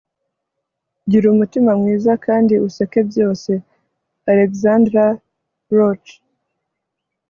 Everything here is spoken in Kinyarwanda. gira umutima mwiza kandi useke byose. - alexandra roach